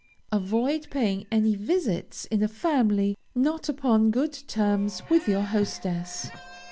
Avoid paying any visits in a family not upon good terms with your hostess.